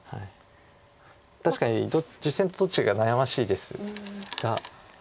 確かに実戦とどっちがいいか悩ましいですが。